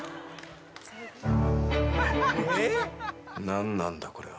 「何なんだこれは」